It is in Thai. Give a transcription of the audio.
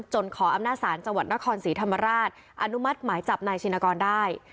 ขออำนาจศาลจังหวัดนครศรีธรรมราชอนุมัติหมายจับนายชินกรได้